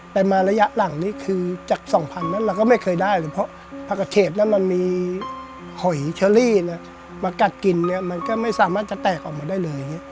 แต่มาระยะหลังนี้คือจากสองพันนั้นเราก็ไม่เคยได้เลยเพราะประเทศนั้นมันมีหอยเชอรี่มากัดกินมันก็ไม่สามารถจะแตกออกมาได้เลย